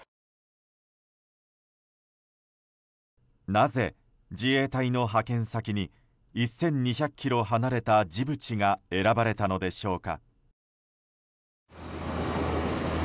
なぜ、自衛隊の派遣先に１２００ｋｍ離れたジブチが選ばれたのでしょうか。